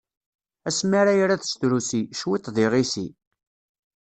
Asmi ara irad s trusi, cwiṭ d iɣisi.